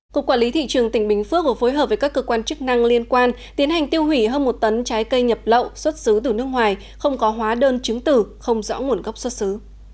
cục quản lý thị trường tỉnh bình phước vừa phối hợp với các cơ quan chức năng liên quan tiến hành tiêu hủy hơn một tấn trái cây nhập lậu xuất xứ từ nước ngoài không có hóa đơn chứng tử không rõ nguồn gốc xuất xứ